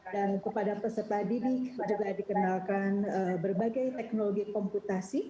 dan kepada peserta didik juga dikenalkan berbagai teknologi komputasi